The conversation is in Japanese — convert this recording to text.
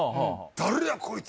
「誰やこいつ」